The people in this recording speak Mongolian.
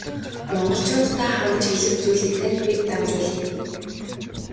Монголчууддаа хандаж хэлэх зүйлийг тань бид дамжуулъя.